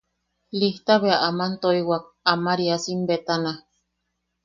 Lista bea aman toiwak Amariasim betana.